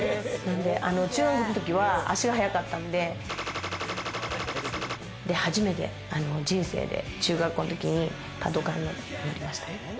中学の時は足が速かったんで、初めて人生で中学校のときにパトカーに乗りましたね。